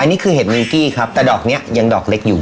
อันนี้คือเห็ดมิงกี้ครับแต่ดอกนี้ยังดอกเล็กอยู่